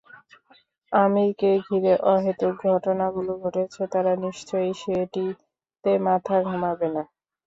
আমিরকে ঘিরে অহেতুক ঘটনাগুলো ঘটছে, তারা নিশ্চয়ই সেটিতে মাথা ঘামাবে না।